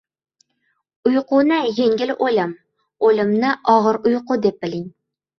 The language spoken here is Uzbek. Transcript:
• Uyquni yengil o‘lim, o‘limni og‘ir uyqu deb biling.